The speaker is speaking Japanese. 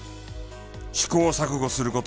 試行錯誤する事